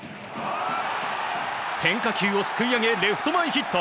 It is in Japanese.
変化球をすくい上げレフト前ヒット。